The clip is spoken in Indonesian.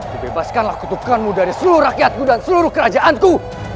dibebaskanlah kutukanmu dari seluruh rakyatku dan seluruh kerajaanku